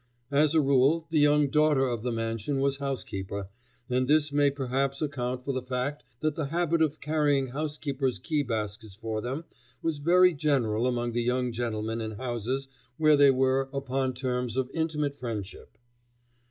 As a rule, the young daughter of the mansion was housekeeper, and this may perhaps account for the fact that the habit of carrying housekeeper's key baskets for them was very general among the young gentlemen in houses where they were upon terms of intimate friendship.